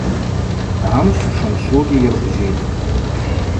Амшв шымшвугьи йырбжьитӏ.